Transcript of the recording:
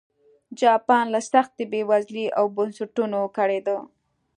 جاپان له سختې بېوزلۍ او بنسټونو کړېده.